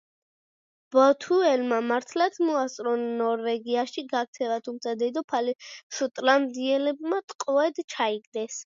ბოთუელმა მართლაც მოასწრო ნორვეგიაში გაქცევა, თუმცა დედოფალი შოტლანდიელებმა ტყვედ ჩაიგდეს.